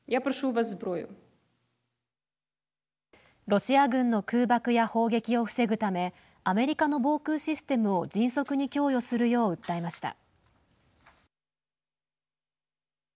ロシア軍の空爆や砲撃を防ぐためアメリカの防空システムを迅速に供与するよう訴えました。